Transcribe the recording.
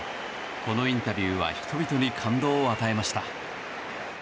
このインタビューは人々に感動を与えました。